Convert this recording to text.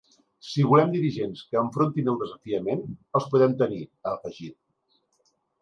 Si volem dirigents que enfrontin el desafiament, els podem tenir, ha afegit.